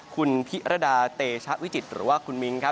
คุณพิรดาเตชะวิจิตรหรือว่าคุณมิ้งครับ